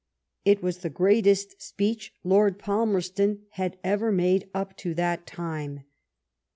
It was the greatest speech Lord Palmerston had ever made up to that time.